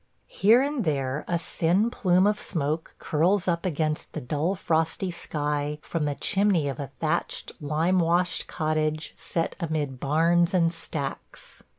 Here and there a thin plume of smoke curls up against the dull frosty sky from the chimney of a thatched, lime washed cottage set amid barns and stacks.